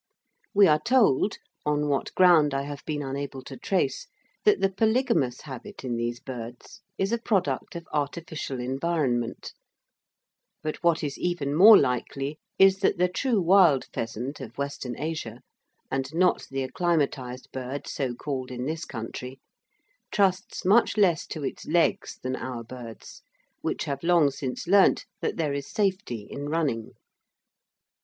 We are told, on what ground I have been unable to trace, that the polygamous habit in these birds is a product of artificial environment; but what is even more likely is that the true wild pheasant of Western Asia (and not the acclimatised bird so called in this country) trusts much less to its legs than our birds, which have long since learnt that there is safety in running.